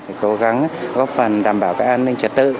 để cố gắng góp phần đảm bảo cái an ninh trật tự